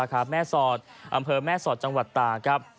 แม่สอดอำเภอแม่สอดจังหวัดตากครับ